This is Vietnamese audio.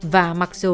và mặc dù